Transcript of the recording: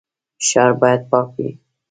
ښار باید پاک وي